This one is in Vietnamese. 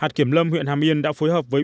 hạt kiểm lâm huyện hàm yên đã phối hợp với